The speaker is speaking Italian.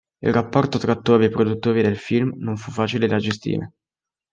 Il rapporto tra attori e produttori del film non fu facile da gestire.